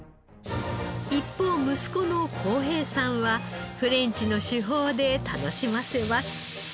一方息子の航平さんはフレンチの手法で楽しませます。